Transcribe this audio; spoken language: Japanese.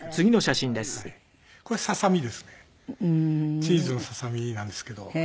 チーズのササミなんですけど。